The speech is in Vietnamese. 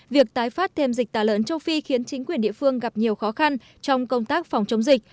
việc tái phát thêm dịch tả lợn châu phi khiến chính quyền địa phương gặp nhiều khó khăn trong công tác phòng chống dịch